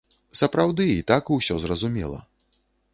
Сапраўды, і так усё зразумела.